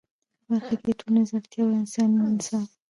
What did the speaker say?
په برخه کي د ټولنیزو اړتیاوو او انساني انصاف